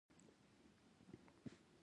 کندز سیند د افغانستان د ښکلي طبیعت برخه ده.